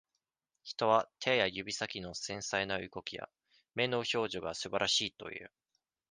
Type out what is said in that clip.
人は、手や指先の繊細な動きや、目の表情がすばらしいという。